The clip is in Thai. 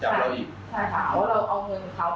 ใช่ค่ะถ้าเราเอาเงินของเขาไปโกงเขาอะไรนะ